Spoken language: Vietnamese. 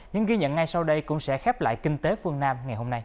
những ghi nhận ngay sau đây cũng sẽ khép lại kinh tế phương nam